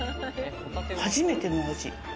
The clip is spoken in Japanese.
初めての味。